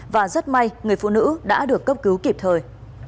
và rất may người phụ nữ đã được cấp cứu kịp thời